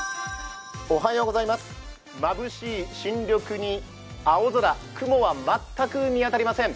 まぶしい新緑に青空、雲は全く見当たりません。